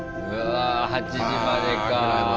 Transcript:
うわ８時までか。